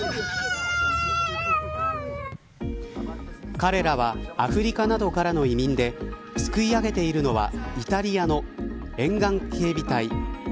彼らはアフリカなどからの移民で救い上げているのはイタリアの沿岸警備隊。